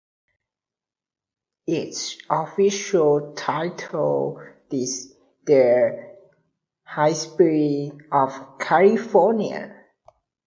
Its official title is "The History of California".